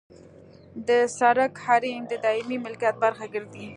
د سرک حریم د دایمي ملکیت برخه ګرځي